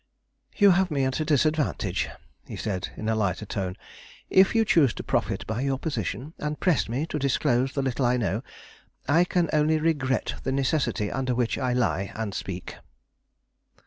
"You have me at a disadvantage," he said, in a lighter tone. "If you choose to profit by your position, and press me to disclose the little I know, I can only regret the necessity under which I lie, and speak."